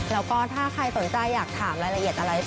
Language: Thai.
แล้วก็ถ้าใครสนใจอยากถามรายละเอียดอะไร